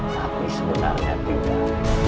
tapi sebenarnya tidak